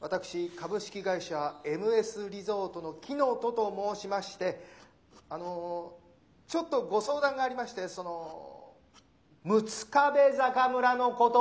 私株式会社エムエスリゾートの乙と申しましてあのォちょっとご相談がありましてそのォ「六壁坂村」のことで。